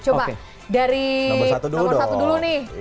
coba dari nomor satu dulu nih